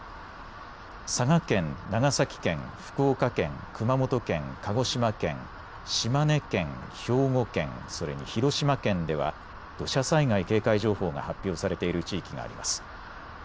佐賀県、長崎県、福岡県、熊本県、鹿児島県、島根県、兵庫県、それに広島県では土砂災害警戒情報が発表されている地域があります。